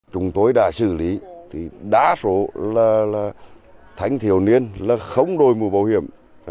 chúng tôi đã xử lý đá số là thanh thiếu niên không đôi mùa bảo hiểm